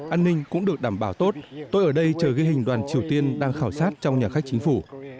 an ninh cũng được đảm bảo tốt tôi ở đây chờ ghi hình đoàn triều tiên đang khảo sát trong nhà khách chính phủ